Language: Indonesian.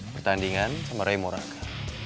pertandingan sama ray muraka